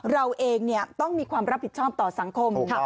เราเองต้องมีความรับผิดชอบต่อสังคม